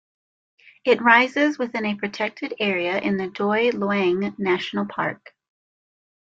It rises within a protected area in the Doi Luang National Park.